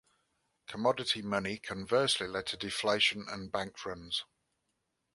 Commodity money conversely led to deflation and bank runs.